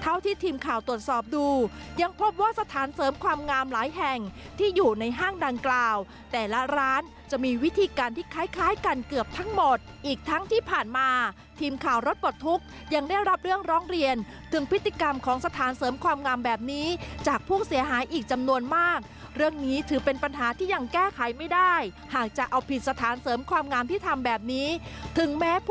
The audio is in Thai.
เท่าที่ทีมข่าวตรวจสอบดูยังพบว่าสถานเสริมความงามหลายแห่งที่อยู่ในห้างดังกล่าวแต่ละร้านจะมีวิธีการที่คล้ายกันเกือบทั้งหมดอีกทั้งที่ผ่านมาทีมข่าวรถปลดทุกข์ยังได้รับเรื่องร้องเรียนถึงพิธีกรรมของสถานเสริมความงามแบบนี้จากผู้เสียหายอีกจำนวนมากเรื่องนี้ถือเป็นปัญหาที่ยังแ